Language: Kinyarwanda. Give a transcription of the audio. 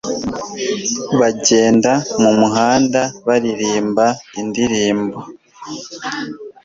Bagenda mumuhanda baririmba indirimbo.